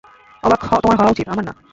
অবাক তোমার হওয়া উচিত, আমার না।